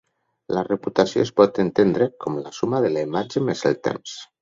La reputació es pot entendre com la suma de la imatge més el temps.